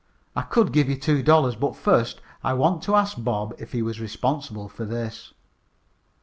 "I could give you two dollars. But first I want to ask Bob if he is responsible for this."